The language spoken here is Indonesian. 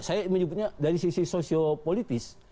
saya menyebutnya dari sisi sosiopolitis